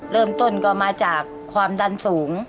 เริ่มต้นก็มาจากความดันสูง